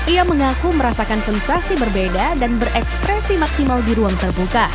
ia mengaku merasakan sensasi berbeda dan berekspresi maksimal di ruang terbuka